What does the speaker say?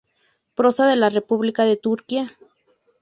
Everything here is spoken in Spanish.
Prosa de la República de Turquía